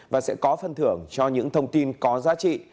và sẽ có phân thưởng cho những thông tin có giá trị